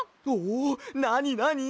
なになに？